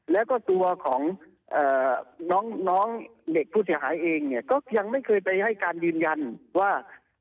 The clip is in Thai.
แล้วก็ตัวของน้องเด็กผู้เสียหายเองเนี่ยก็ยังไม่เคยไปให้การยืนยันว่า